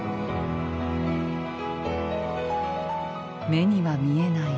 目には見えない